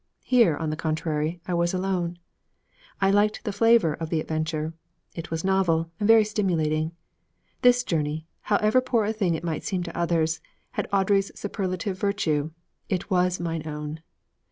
Here, on the contrary, I was alone. I liked the flavor of the adventure; it was novel, and very stimulating. This journey, however poor a thing it might seem to others, had Audrey's superlative virtue: it was mine own.